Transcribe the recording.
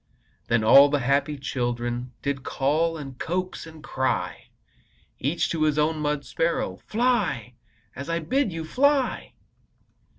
Then all the happy children Did call, and coax, and cry Each to his own mud sparrow: "Fly, as I bid you! Fly!"